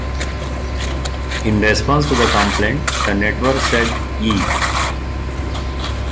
In response to the complaint, the network said E!